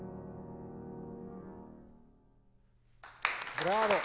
ブラボー。